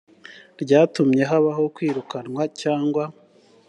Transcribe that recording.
ryatumye habaho kwirukanwa cyangwa